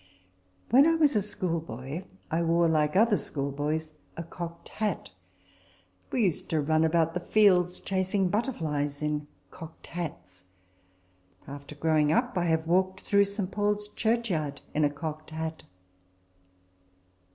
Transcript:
When I was a school boy, I wore, like other school boys, a cocked hat ; we used to run about the fields, chasing butterflies, in cocked hats. After growing up, I have walked through St. Paul's Churchyard in a cocked hat.